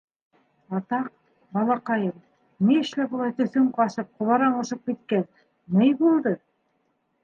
— Атаҡ, балаҡайым, ни эшләп улай төҫөң ҡасып, ҡобараң осоп киткән, ни булды?